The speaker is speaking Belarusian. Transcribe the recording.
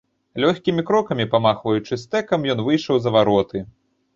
Лёгкімі крокамі, памахваючы стэкам, ён выйшаў за вароты.